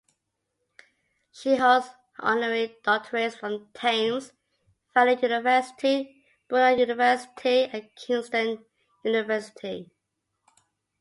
She holds honorary Doctorates from Thames Valley University, Brunel University and Kingston University.